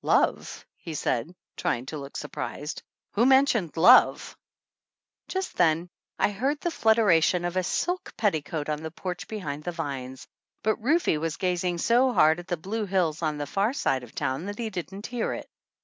"Love!" he said, trying to look surprised. "Who mentioned love?" THE ANNALS OF ANN Just then I heard the flutteration of a silk petticoat on the porch behind the vines, but Rufe was gazing so hard at the blue hills on the far side of town that he didn't hear it.